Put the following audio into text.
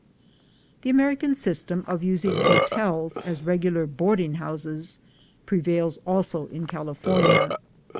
The American system of using hotels as regular boarding houses prevails also in California.